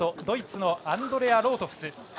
ドイツのアンドレア・ロートフス。